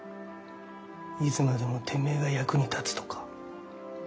いつまでもてめえが役に立つとか。